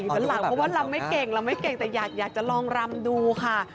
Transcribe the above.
เพราะว่ารำไม่เก่งแต่อยากจะลองรำดูค่ะ